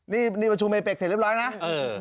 นี่นี่ประชุมเมเป็กเสร็จเรียบร้อยนะเออ